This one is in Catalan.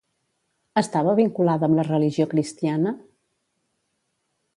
Estava vinculada amb la religió cristiana?